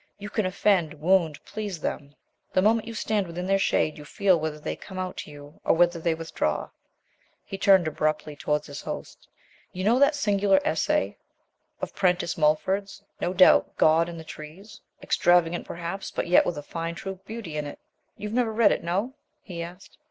You can offend, wound, please them; the moment you stand within their shade you feel whether they come out to you, or whether they withdraw." He turned abruptly towards his host. "You know that singular essay of Prentice Mulford's, no doubt 'God in the Trees' extravagant perhaps, but yet with a fine true beauty in it? You've never read it, no?" he asked.